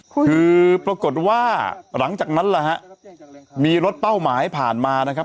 คือปรากฏว่าหลังจากนั้นมีรถเป้าหมายผ่านมา